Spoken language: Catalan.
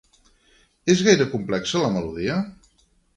És gaire complexa, la melodia?